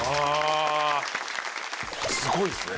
すごいですね。